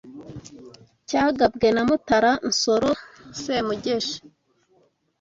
cyagabwe na Mutara Nsoro Semugeshi